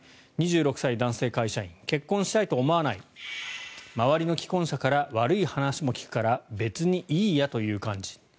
２６歳、男性会社員結婚したいと思わない周りの既婚者から悪い話も聞くから別にいいやという感じ。